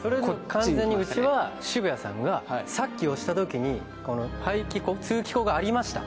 完全にうちは渋谷さんが、さっき押したときに通気口がありました。